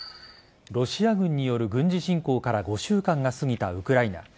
ロシア軍による軍事侵攻から５週間が過ぎたウクライナ。